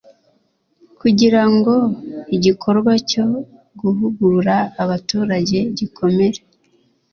kugirango igikorwa cyo guhugura abaturage gikomere.